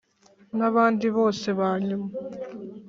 N abandi bose ba nyuma